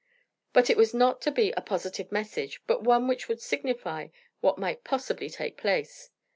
But it was not to be a positive message, but one which would signify what might possibly take place.